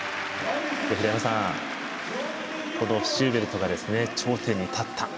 平山さん、このシューベルトが頂点に立った。